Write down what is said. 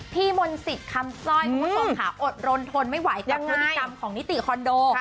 มนศิษย์คำซ่อยคุณผู้ชมค่ะอดรนทนไม่ไหวกับพฤติกรรมของนิติคอนโด